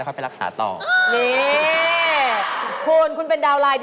ผมมีของมากินปั๊บนึงนะคะได้ค่ะ